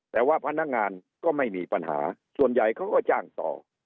แต่ว่าพนักงานก็ไม่มีปัญหาส่วนใหญ่เขาก็จ้างต่อ